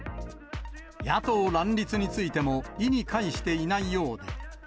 野党乱立についても、意に介していないようで。